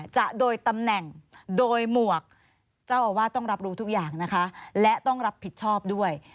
จะโดยตำแหน่งโดยหมวกเจ้าอาวาสต้องรับรู้ทุกอย่างนะคะและต้องรับผิดชอบด้วย